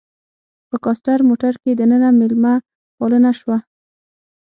په کاسټر موټر کې دننه میلمه پالنه شوه.